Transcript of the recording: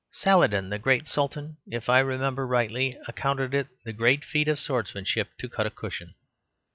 Saladin, the great Sultan, if I remember rightly, accounted it the greatest feat of swordsmanship to cut a cushion.